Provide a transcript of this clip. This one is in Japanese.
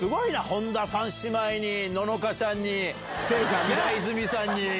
本田三姉妹に乃々佳ちゃんに平泉さんに。